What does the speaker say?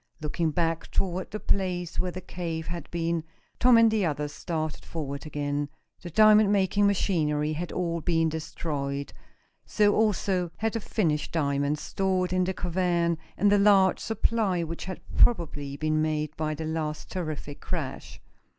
Looking back toward the place where the cave had been, Tom and the others started forward again. The diamond making machinery had all been destroyed. So, also, had the finished diamonds stored in the cavern and the large supply which had probably been made by the last terrific crash.